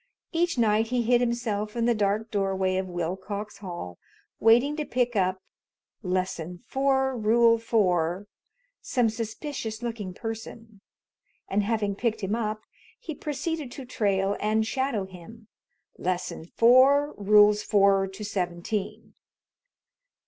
Each night he hid himself in the dark doorway of Willcox Hall waiting to pick up (Lesson Four, Rule Four) some suspicious looking person, and having picked him up, he proceeded to trail and shadow him (Lesson Four, Rules Four to Seventeen).